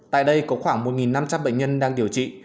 tại đây có khoảng một năm trăm linh bệnh nhân đang điều trị